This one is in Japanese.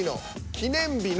「記念日の」